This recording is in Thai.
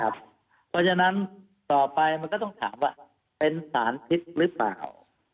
เพราะฉะนั้นต่อไปมันก็ต้องถามว่าเป็นสารพิษหรือเปล่า